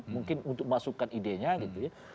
mungkin untuk memasukkan ide nya gitu ya